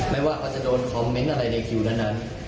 ไม่ว่าเขาจะโดนคอมเมนต์อะไรในคิวนั้น